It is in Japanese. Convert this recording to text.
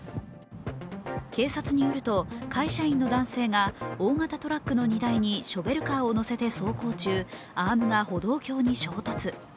警察によると、会社員の男性が大型トラックの荷台にショベルカーを載せて走行中アームが歩道橋に衝突。